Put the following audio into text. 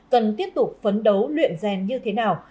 cần tiếp tục phấn đấu luyện rèn như thế nào